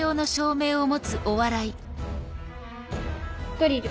ドリル。